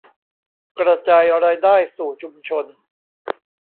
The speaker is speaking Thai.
กระจายรายได้สู่ชุมชน